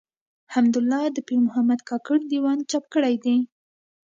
حمدالله د پيرمحمد کاکړ د ېوان چاپ کړی دﺉ.